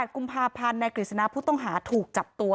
กุมภาพันธ์นายกฤษณะผู้ต้องหาถูกจับตัว